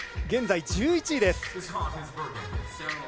現在１１位です。